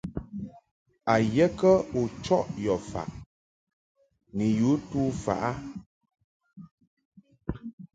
A ye kə u chɔʼ yɔ faʼ ni yu tu faʼ ?